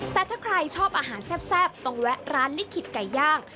แต่ถ้าใครชอบอาหารแซ่บต้องแวะร้านลิขิตไก่ย่าง